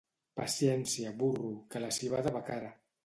Paciència, burro, que la civada va cara.